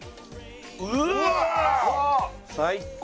うわ！最高。